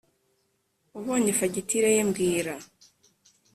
ubonye fagitire ye mbwira